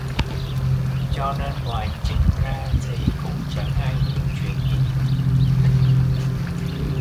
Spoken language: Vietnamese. cho nên ngoài Trinh ra thì cũng chẳng ai hiểu chuyện gì